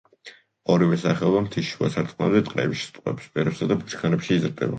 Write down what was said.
ორივე სახეობა მთის შუა სარტყლამდე, ტყეებში, ტყისპირებსა და ბუჩქნარებში იზრდება.